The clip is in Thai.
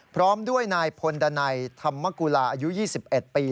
พร้อมด้วยนายพลดันัยธรรมกุลาอายุ๒๑ปี